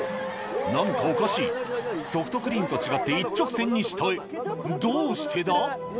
何かおかしいソフトクリームと違って一直線に下へどうしてだ？